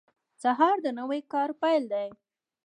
سهار د نوي کار پیل دی.